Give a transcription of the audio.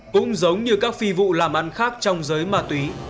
cũng giống như các phi vụ làm ăn khác trong giới ma túy